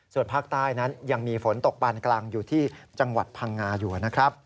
ส่วนภาคใต้นั้นยังมีฝนตกปานกลางอยู่ที่จังหวัดพังงาอยู่นะครับ